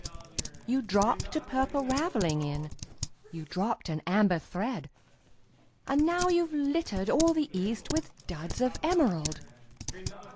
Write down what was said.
You dropped a Purple Ravelling in You dropped an Amber thread And now you've littered all the east With Duds of Emerald!